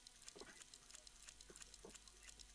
Více zkušeností rovná se více dovedností rovná se vyšší mzda.